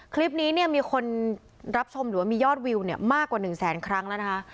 คลิปนี้เนี่ยมีคนรับชมหรือว่ามียอดวิวมากกว่า๑แสนครั้งแล้วนะคะ